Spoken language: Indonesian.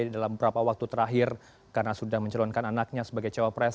dalam beberapa waktu terakhir karena sudah mencalonkan anaknya sebagai cewek pres